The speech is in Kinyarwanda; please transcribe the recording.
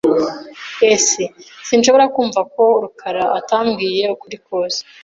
S] Sinshobora kumva ko rukara atambwiye ukuri kose .